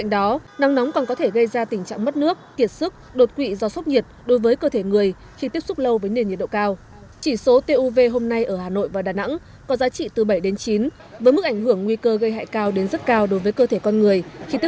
đợt nắng nóng này có khả năng kéo dài trong nhiều ngày tới